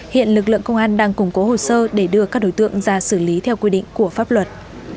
hiện lực lượng công an đang củng cố hồ sơ để đưa các đối tượng ra xử lý theo quy định của pháp luật